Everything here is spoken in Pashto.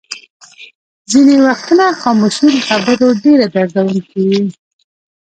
ځینې وختونه خاموشي له خبرو ډېره دردوونکې وي.